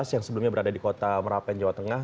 yang sebelumnya berada di kota merapen jawa tengah